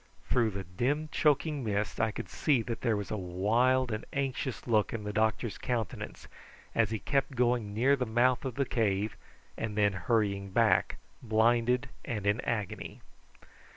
Through the dim choking mist I could see that there was a wild and anxious look in the doctor's countenance as he kept going near the mouth of the cave, and then hurrying back blinded and in agony.